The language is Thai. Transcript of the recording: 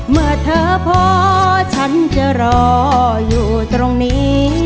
เมื่อเธอพอฉันจะรออยู่ตรงนี้